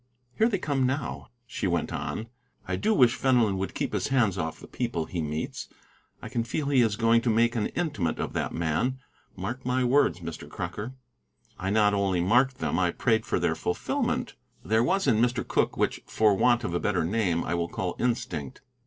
"Here they come, now," she went on. "I do wish Fenelon would keep his hands off the people he meets. I can feel he is going to make an intimate of that man. Mark my words, Mr. Crocker." I not only marked them, I prayed for their fulfilment. There was that in Mr. Cooke which, for want of a better name, I will call instinct.